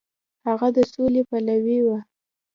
هغه د سولې پلوی و.